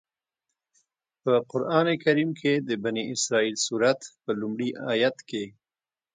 په قرآن کریم کې د بنی اسرائیل سورت په لومړي آيت کې.